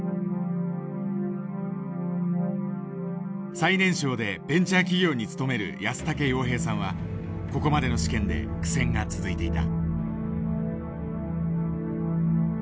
最年少でベンチャー企業に勤める安竹洋平さんはここまでの試験で苦戦が続いていた。